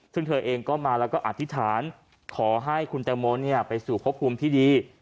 ซึ่งเธอเองก็มาแล้วก็อธิษฐานขอให้คุณแตงโมไปสู่พบภูมิที่ดี